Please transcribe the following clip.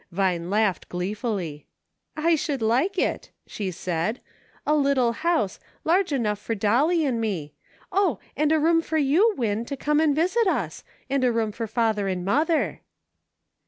Vine laughed gleefully. "I should like it," she said; "a little house, large enough for Dolly and me ; oh ! and a room for you. Win, to come and visit us ; and a room for father and mother."